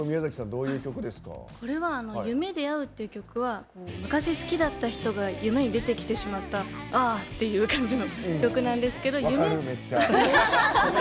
これは「夢で逢う」という曲は昔好きだった人が夢に出てきてしまったああっていう感じの曲なんですけど。